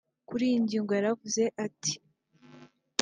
Kuri iyi ngingo yaravuze ati